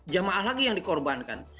jemaah lagi yang dikorbankan